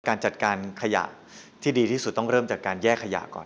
การจัดการขยะที่ดีที่สุดต้องเริ่มจากการแยกขยะก่อน